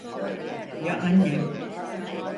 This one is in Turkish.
Ya annem?